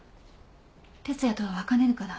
哲哉とは別れるから。